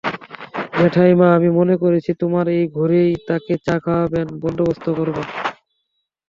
জেঠাইমা, আমি মনে করছি, তোমার এই ঘরেই তাকে চা খাওয়াবার বন্দোবস্ত করব।